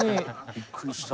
びっくりした。